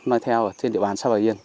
nói theo trên địa bàn sao bà yên